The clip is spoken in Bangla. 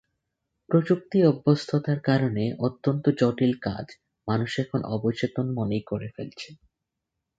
প্রযুক্তি অভ্যস্ততার কারণে অত্যন্ত জটিল কাজ মানুষ এখন অবচেতন মনেই করে ফেলছে।